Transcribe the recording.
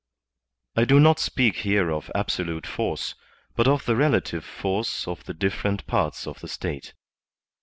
I do not speak here of absolute force, but of the relative force of the different parts of the State.